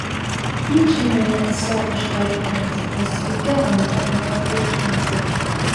Each area established by the Act was to be governed by an elected council.